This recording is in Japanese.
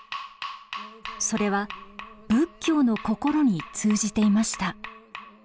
それは仏教の心に通じていました。